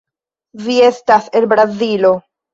Vi estas el Brazilo.